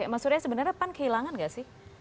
mas surya sebenarnya pan kehilangan nggak sih